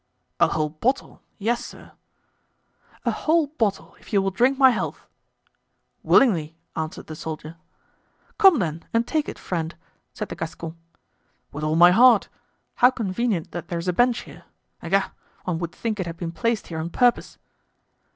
"A whole bottle? Yes, sir." "A whole bottle, if you will drink my health." "Willingly," answered the soldier. "Come, then, and take it, friend," said the Gascon. "With all my heart. How convenient that there's a bench here. Egad! one would think it had been placed here on purpose."